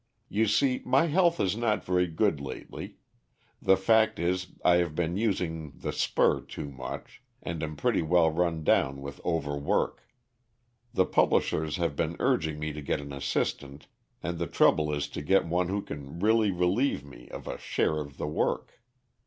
You see my health is not very good lately; the fact is I have been using the spur too much, and am pretty well run down with overwork. The publishers have been urging me to get an assistant, and the trouble is to get one who can really relieve me of a share of the work.